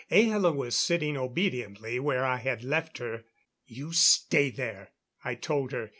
Ahla was sitting obediently where I had left her. "You stay there," I told her.